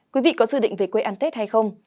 quý vị có dự định về quê ăn tết hay không